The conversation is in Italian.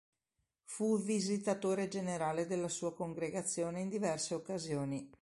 Fu visitatore generale della sua congregazione in diverse occasioni.